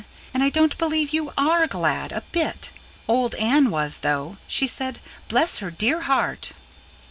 "And I don't believe you ARE glad, a bit. Old Anne was, though. She said: 'Bless her dear heart!'"